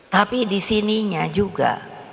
tapi di sininya juga